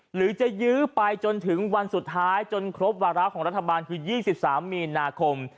หรือจะยื้อไปจนถึงวันสุดท้ายจนครบวาระของรัฐบาลคือ๒๓มีนาคม